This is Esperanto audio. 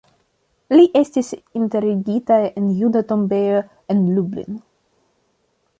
Li estis enterigita en juda tombejo en Lublin.